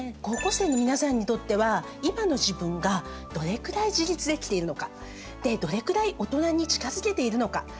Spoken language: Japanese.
高校生の皆さんにとっては今の自分がどれくらい自立できているのかでどれくらいオトナに近づけているのか。